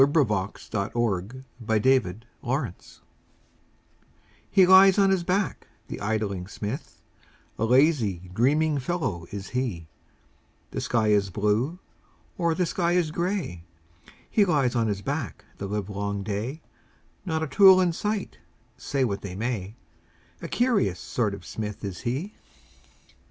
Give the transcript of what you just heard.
Helen Hunt Jackson The Poet's Forge HE lies on his back, the idling smith, A lazy, dreaming fellow is he; The sky is blue, or the sky is gray, He lies on his back the livelong day, Not a tool in sight, say what they may, A curious sort of smith is he.